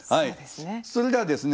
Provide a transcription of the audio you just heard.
それではですね